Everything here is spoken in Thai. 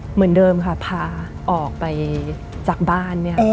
เหมือนเดิมค่ะพาออกไปจากบ้านเนี่ย